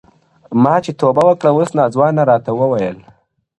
ما چي توبه وکړه اوس ناځوانه راته و ویل,